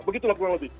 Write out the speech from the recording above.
begitulah kurang lebih